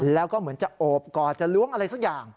แล้วก็เหมือนจะโอบกอดจะล้วงอะไรสักอย่าง